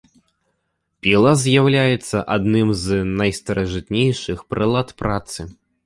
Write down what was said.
Піла з'яўляецца адным з найстаражытнейшых прылад працы.